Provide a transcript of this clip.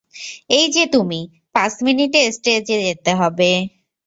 এই যে তুমি, পাঁচ মিনিটে স্টেজে যেতে হবে।